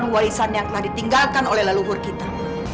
warisan yang telah ditinggalkan oleh leluhur kita